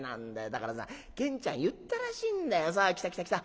だからさゲンちゃん言ったらしいんだよ。来た来た来た。